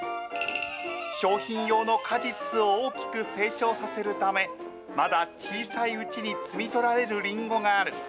商品用の果実を大きく成長させるため、まだ小さいうちに摘み取られるりんごがある。